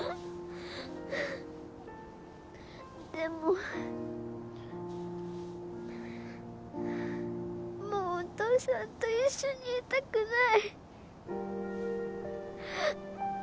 でももうお父さんと一緒にいたくない。